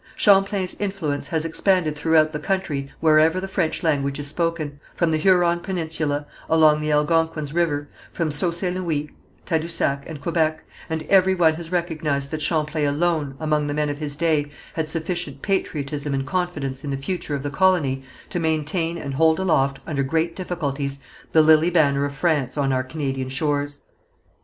Champlain's influence has expanded throughout the country wherever the French language is spoken, from the Huron peninsula, along the Algonquins' river, from Sault St. Louis, Tadousac and Quebec, and every one has recognized that Champlain alone, among the men of his day, had sufficient patriotism and confidence in the future of the colony to maintain and hold aloft under great difficulties, the lily banner of France on our Canadian shores.